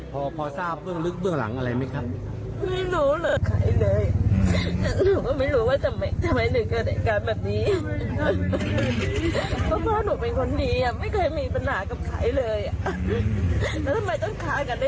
พอทราบเบื้องลึกเบื้องหลังอะไรไหมครับ